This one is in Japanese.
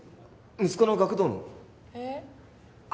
息子の学童のえっ？